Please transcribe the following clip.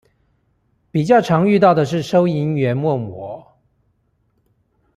比較常遇到的是收銀員問我